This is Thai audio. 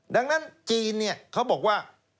ดังนั้นจีนเขาบอกว่า